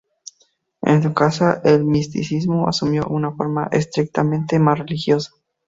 En su caso, el misticismo asumió una forma estrictamente más religiosa.